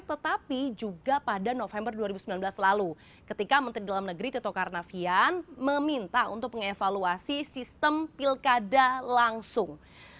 tetapi juga pada november dua ribu sembilan belas lalu ketika menteri dalam negeri tito karnavian meminta untuk mengevaluasi sistem pilkada langsung